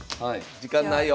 時間ないよ。